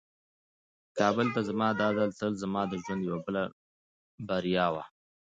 کابل ته زما دا ځل تلل زما د ژوند یوه بله بریا وه.